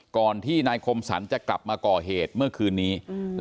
ก่อนที่นายคมสรรจะกลับมาก่อเหตุเมื่อคืนนี้